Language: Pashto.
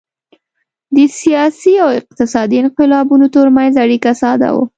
د سیاسي او اقتصادي انقلابونو ترمنځ اړیکه ساده وه